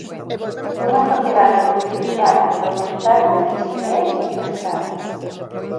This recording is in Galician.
Nunha sociedade concienciada e organizada isto é impensable.